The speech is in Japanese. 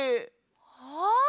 ああ！